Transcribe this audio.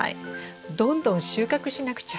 どんどん収穫しなくちゃ。